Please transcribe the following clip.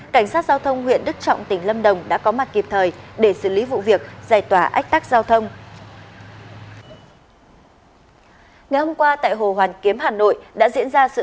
cảnh sát giao thông huyện đức trọng tỉnh lâm đồng đã có mặt kịp thời để xử lý vụ việc giải tỏa ách tắc giao thông